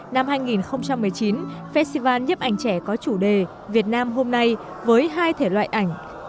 năm hai nghìn một mươi chín festival nhếp ảnh trẻ có chủ đề việt nam hôm nay với hai thể loại ảnh